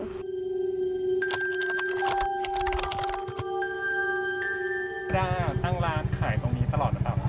ป้าดาตั้งร้านขายตรงนี้ตลอดหรือเปล่า